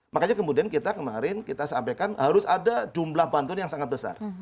makanya kemudian kita kemarin kita sampaikan harus ada jumlah bantuan yang sangat besar